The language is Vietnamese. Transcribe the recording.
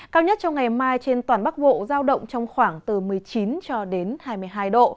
cao nhất trong ngày mai trên toàn bắc bộ giao động trong khoảng từ một mươi chín cho đến hai mươi hai độ